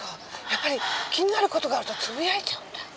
やっぱり気になる事があるとつぶやいちゃうんだ。